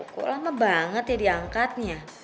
kok lama banget ya diangkatnya